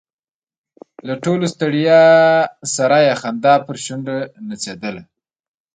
له ټولې ستړیا سره یې خندا پر شونډو نڅېدله.